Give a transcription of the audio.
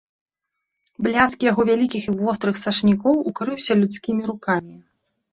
Бляск яго вялікіх і вострых сашнікоў укрыўся людскімі рукамі.